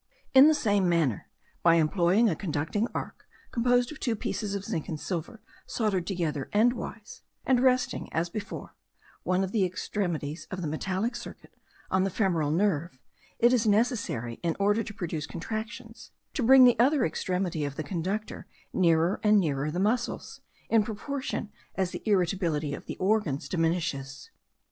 In the same manner, by employing a conducting arc composed of two pieces of zinc and silver soldered together endways; and resting, as before, one of the extremities of the metallic circuit on the femoral nerve, it is necessary, in order to produce contractions, to bring the other extremity of the conductor nearer and nearer to the muscles, in proportion as the irritability of the organs diminishes.